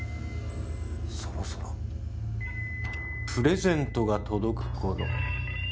そろそろ？プレゼントが届く頃。